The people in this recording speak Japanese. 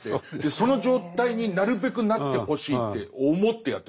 その状態になるべくなってほしいって思ってやってます。